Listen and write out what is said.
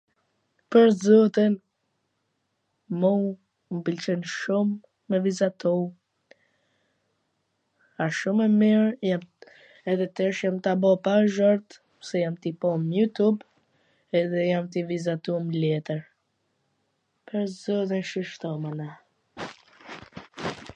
Pwr zotin mu m pwlqen shum me vizatu, a shum e mir, jam edhe tesh jam tu bo pa zhart... pse jam t'u bo mir topt edhe jam tu vizatu m letwr, pwr zotin qysh t thom mana...